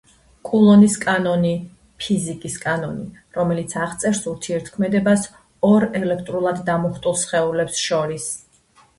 კულონის კანონი — ფიზიკის კანონი, რომელიც აღწერს ურთიერთქმედებას ორ ელექტრულად დამუხტულ სხეულს შორის.